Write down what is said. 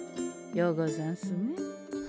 ようござんすね。